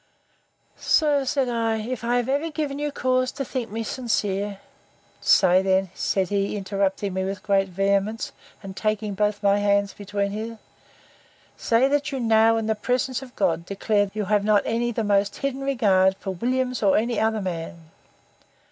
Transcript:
Sir, said I, if I have ever given you cause to think me sincere—Say then, said he, interrupting me with great vehemence, and taking both my hands between his, Say, that you now, in the presence of God, declare that you have not any the most hidden regard for Williams, or any other man.